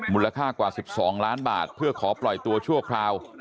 มูลค่ากว่า๑๒ล้านบาทเพื่อขอปล่อยตัวชั่วคราว